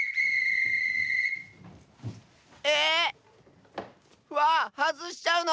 え⁉わはずしちゃうの？